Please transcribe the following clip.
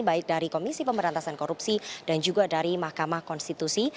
baik dari komisi pemberantasan korupsi dan juga dari mahkamah konstitusi